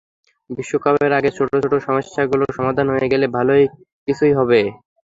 বিশ্বকাপের আগে ছোট ছোট সমস্যাগুলো সমাধান হয়ে গেল ভালোই কিছুই হবে।